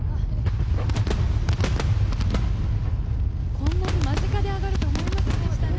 こんなに間近であがるとは思いませんでしたね。